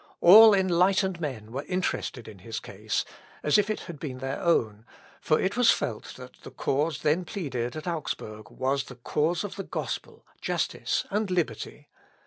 All enlightened men were interested in his case, as if it had been their own, for it was felt that the cause then pleaded at Augsburg was the cause of the gospel, justice, and liberty.